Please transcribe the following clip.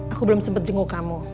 aku belum sempat jenguk kamu